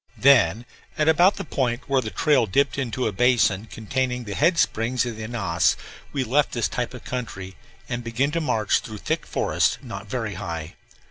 Then, at about the point where the trail dipped into a basin containing the head springs of the Ananas, we left this type of country and began to march through thick forest, not very high.